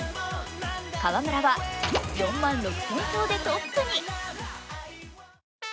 河村は４万６０００票でトップに。